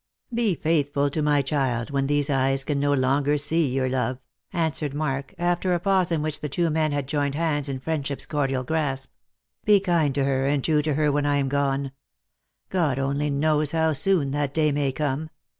" Be faithful to my child when these eyes can no longer see your love," answered Mark, after a pause in which the two men had joined hands in friendship's cordial grasp ;" be kind to her and true to her wlu.n I am gone. God only knows how soon that day may come.